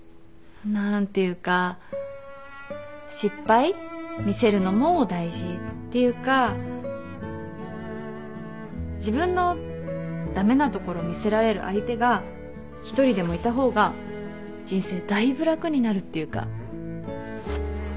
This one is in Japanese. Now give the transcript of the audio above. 何ていうか失敗見せるのも大事っていうか自分の駄目なところ見せられる相手が一人でもいた方が人生だいぶ楽になるっていうか。